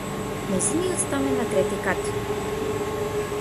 Нејзиниот стан е на трети кат.